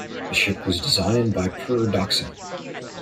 The ship was designed by Per Dockson.